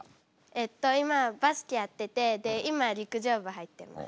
えっと今はバスケやっててで今陸上部入ってます。